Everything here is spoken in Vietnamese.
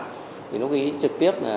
thì nó ghi trực tiếp